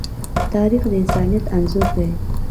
تاریخ د انسانیت انځور دی.